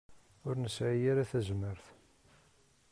Ur nesɛi ara tazmert.